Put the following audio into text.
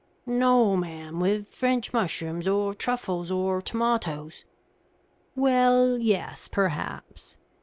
"No, ma'am, with French mushrooms, or truffles, or tomatoes." "Well yes perhaps.